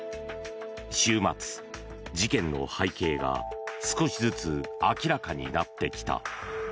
週末、事件の背景が少しずつ明らかになってきた。